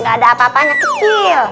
gak ada apa apanya kecil